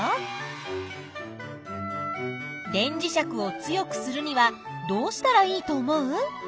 電磁石を強くするにはどうしたらいいと思う？